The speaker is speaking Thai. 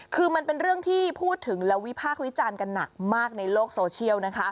คือมันเป็นเรื่องที่พูดถึงและวิพากษ์วิจารณ์กันหนักมากในโลกโซเชียล